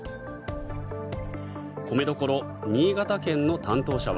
米どころ、新潟県の担当者は。